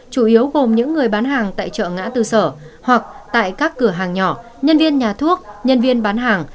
chủ yếu gồm những người bán hàng tại chợ ngã tư sở hoặc tại các cửa hàng nhỏ nhân viên nhà thuốc nhân viên bán hàng